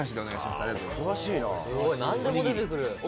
すごいなんでも出てくる。